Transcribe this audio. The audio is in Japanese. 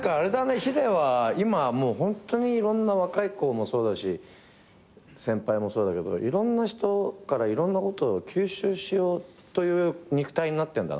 ヒデは今ホントに若い子もそうだし先輩もそうだけどいろんな人からいろんなことを吸収しようという肉体になってんだな。